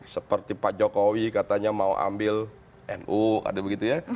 seperti pak jokowi katanya mau ambil nu ada begitu ya